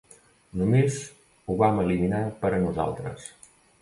Només ho vam eliminar per a nosaltres.